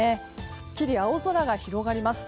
すっきり青空が広がります。